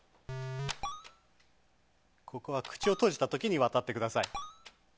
ここは口を閉じた時に渡ってください。